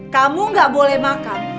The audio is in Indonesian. kamu gak boleh makan